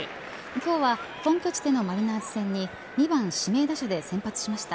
今日は本拠地でのマリナーズ戦に２番指名打者で先発しました。